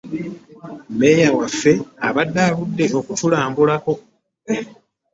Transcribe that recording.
Mmeeya waffe abadde aludde okutulambulako.